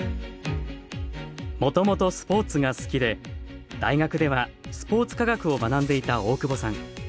もともとスポーツが好きで大学ではスポーツ科学を学んでいた大久保さん。